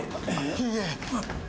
いいえ。